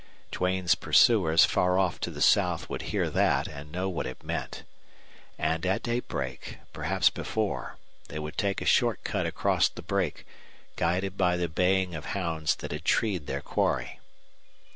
Duane's pursuers far off to the south would hear that and know what it meant. And at daybreak, perhaps before, they would take a short cut across the brake, guided by the baying of hounds that had treed their quarry.